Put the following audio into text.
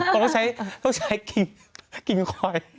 ก็ต้องใช้กินคอย